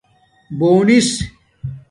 بݸونس